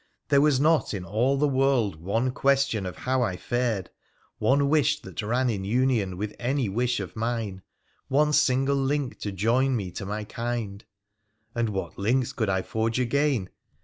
There was not in all the world one question of how I fared, one wish that ran in union with any wish of mine — one single link to join me to my kind. And what links could I forge again